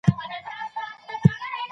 ماینوکسیډیل د وېښتو کثافت زیاتوي.